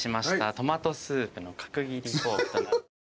トマトスープの角切りポークと。